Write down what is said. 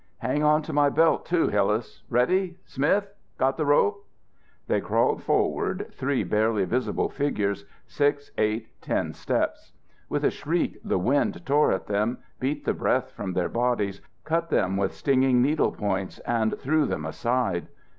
"Hang on to my belt, too, Hillas. Ready Smith? Got the rope?" They crawled forward, three barely visible figures, six, eight, ten steps. With a shriek the wind tore at them, beat the breath from their bodies, cut them with stinging needle points and threw them aside.